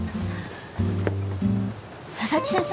佐々木先生？